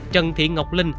trần thị ngọc linh